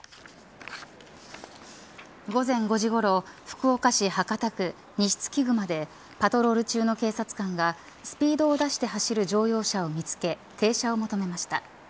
午前５時ごろ福岡市博多区西月隈でパトロール中の警察官がスピードを出して走る乗用車を見つけ停車を求めました。